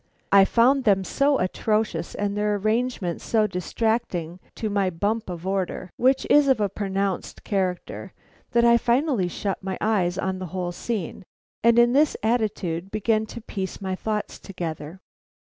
I found them so atrocious and their arrangement so distracting to my bump of order, which is of a pronounced character, that I finally shut my eyes on the whole scene, and in this attitude began to piece my thoughts together.